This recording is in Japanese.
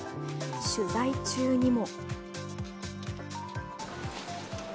取材中にも。